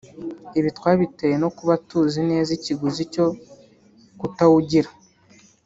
Ibi twabitewe no kuba tuzi neza ikiguzi cyo kutawugira